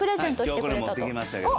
今日これ持ってきましたけど。